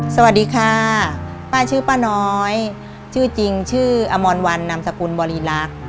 สวัสดีค่ะป้าชื่อป้าน้อยชื่อจริงชื่ออมรวันนามสกุลบริรักษ์